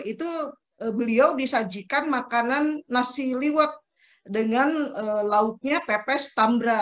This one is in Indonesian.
itu beliau disajikan makanan nasi liwet dengan lauknya pepes tambra